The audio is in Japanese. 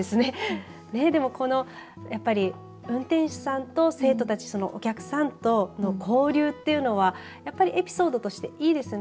でもやっぱり運転手さんと生徒たち、お客さんと交流というのはやっぱりエピソードとしていいですね。